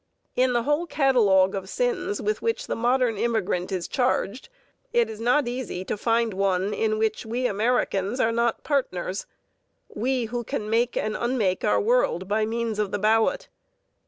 In the whole catalogue of sins with which the modern immigrant is charged, it is not easy to find one in which we Americans are not partners, we who can make and unmake our world by means of the ballot.